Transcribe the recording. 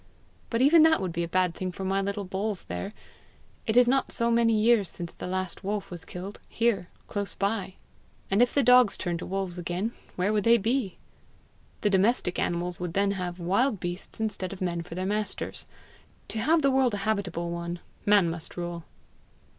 But even that would be a bad thing for my little bulls there! It is not so many years since the last wolf was killed here, close by! and if the dogs turned to wolves again, where would they be? The domestic animals would then have wild beasts instead of men for their masters! To have the world a habitable one, man must rule."